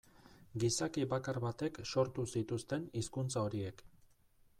Gizaki bakar batek sortu zituzten hizkuntza horiek.